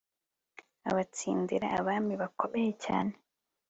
abatsindira abami bakomeye cyane